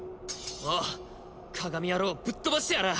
おう鏡野郎ぶっ飛ばしてやらあ！